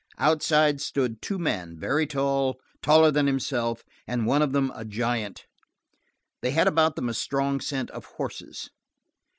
Outside stood two men, very tall, taller than himself, and one of them a giant. They had about them a strong scent of horses.